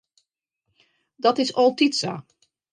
Dat is altyd sa.